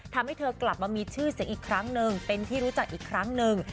ทำให้เธอกลับมามีชื่อเสียงอีกครั้งหนึ่งเป็นที่รู้จักอีกครั้งหนึ่ง